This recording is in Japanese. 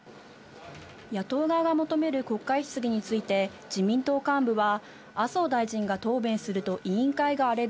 野党側が求める国会質疑について、自民党幹部は、麻生大臣が答弁すると、委員会が荒れる。